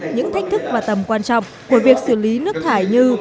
những thách thức và tầm quan trọng của việc xử lý nước thải như